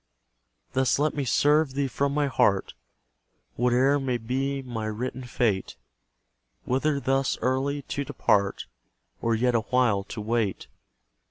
Thus let me serve Thee from my heart, Whate'er may be my written fate: Whether thus early to depart, Or yet a while to wait.